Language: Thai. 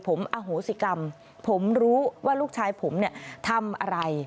ผมอโหสิกรรมผมรู้ว่าลูกชายผมเนี่ยทำอะไร